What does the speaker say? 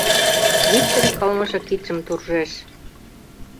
— Виктыр кылмыше кидшым туржеш.